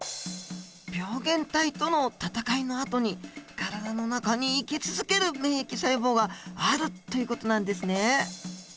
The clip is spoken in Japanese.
病原体との戦いのあとに体の中に生き続ける免疫細胞があるという事なんですね。